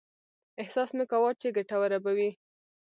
احساس مې کاوه چې ګټوره به وي.